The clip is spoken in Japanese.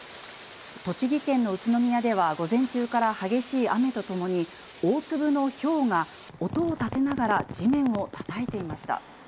栃木県の宇都宮では、午前中から激しい雨とともに、大粒のひょうが音を立てながら地面をたたいていました。